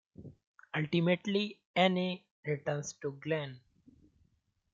Ultimately, Anney returns to Glen.